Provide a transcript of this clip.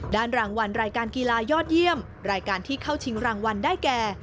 รางวัลรายการกีฬายอดเยี่ยมรายการที่เข้าชิงรางวัลได้แก่